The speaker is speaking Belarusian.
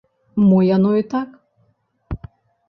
Мо яно і так.